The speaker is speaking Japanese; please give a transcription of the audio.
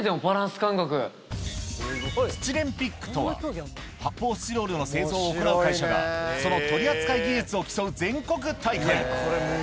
スチレンピックとは、発泡スチロールの製造を行う会社が、その取り扱い技術を競う全国大会。